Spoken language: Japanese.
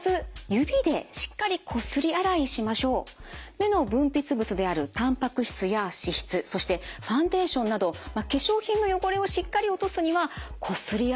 目の分泌物であるたんぱく質や脂質そしてファンデーションなど化粧品の汚れをしっかり落とすにはこすり洗いが必要なんですね。